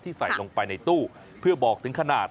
ใส่ลงไปในตู้เพื่อบอกถึงขนาด